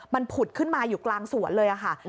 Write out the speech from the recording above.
มันผุดขึ้นมาอยู่กลางสวนเลยค่ะ